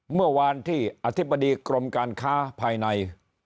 เมื่อวานที่อธิบดีกรมการค้าภายใน